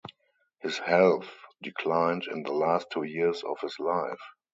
His health declined in the last two years of his life.